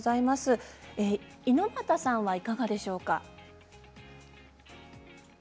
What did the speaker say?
猪又さんはいかがでしょうか。